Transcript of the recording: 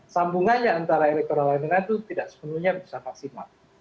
sambungannya antara electoral arena itu tidak sepenuhnya bisa maksimal